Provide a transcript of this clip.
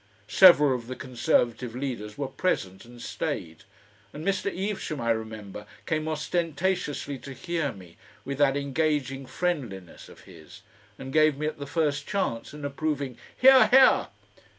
Several of the Conservative leaders were present and stayed, and Mr. Evesham, I remember, came ostentatiously to hear me, with that engaging friendliness of his, and gave me at the first chance an approving "Hear, Hear!"